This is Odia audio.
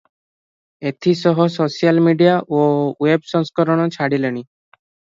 ଏଥି ସହ ସୋସିଆଲ ମିଡ଼ିଆ ଓ ୱେବ ସଂସ୍କରଣ ଛାଡ଼ିଲେଣି ।